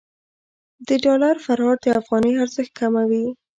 د ډالر فرار د افغانۍ ارزښت کموي.